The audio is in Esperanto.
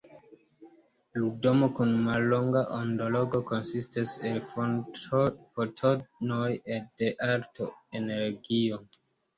Lumo kun mallonga ondolongo konsistas el fotonoj de alta energio.